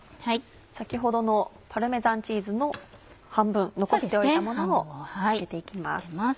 先ほどのパルメザンチーズの半分残しておいたものをかけて行きます。